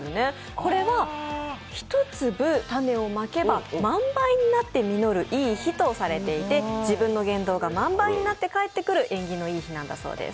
これは一粒種をまけば万倍になって実るいい日とされていて、自分の言動が万倍になって返ってくる縁起のいい日なんだそうです。